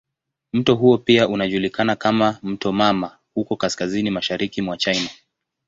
Mto huo pia unajulikana kama "mto mama" huko kaskazini mashariki mwa China.